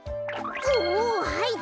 おおはいったよ！